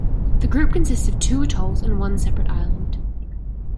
The group consists of two atolls and one separate island.